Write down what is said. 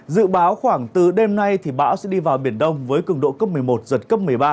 dự báo khoảng từ đêm nay bão sẽ đi vào biển đông với cường độ cấp một mươi một giật cấp một mươi ba